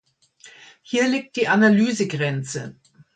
Hier liegt die Analysegrenze.